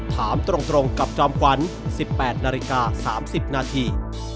ถามตรงกับจอมขวัญ๑๘นาฬิกา๓๐นาที